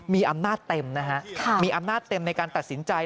มีอำนาจเต็มนะฮะมีอำนาจเต็มในการตัดสินใจ